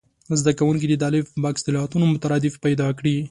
زده کوونکي دې د الف بکس د لغتونو مترادف پیدا کړي.